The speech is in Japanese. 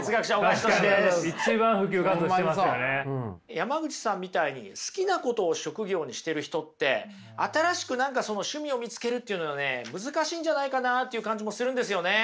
山口さんみたいに好きなことを職業にしてる人って新しく何かその趣味を見つけるっていうのね難しいんじゃないかなっていう感じもするんですよね。